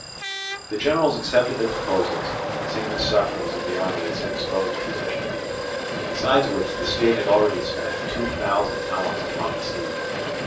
The generals accepted their proposals, seeing the sufferings of the army in so exposed a position; besides which the state had already spent two thousand talents upon the siege.